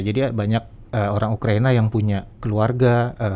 jadi banyak orang ukraina yang punya keluarga